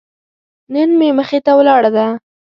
نن مې مخې ته ولاړه ده.